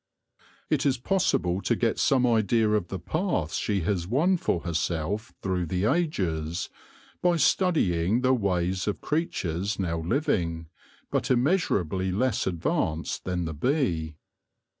It is possible to get some idea of the path she won for herself through the ages by studying the ways of creatures now living, but immeasurably less advanced than the bee.